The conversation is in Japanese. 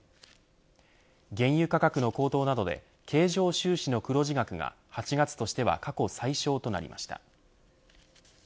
原油価格の高騰などで経常収支の黒字額が８月としては過去最小となりました。